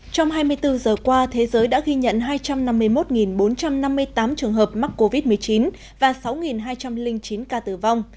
trong hai mươi bốn giờ qua thế giới đã ghi nhận hai trăm năm mươi một bốn trăm năm mươi tám trường hợp mắc covid một mươi chín và sáu hai trăm linh chín ca tử vong